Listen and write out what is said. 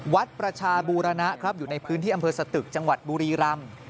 วัดประชาบูรณะครับอยู่ในพื้นที่อำเภอสตึกจังหวัดบุรีรำ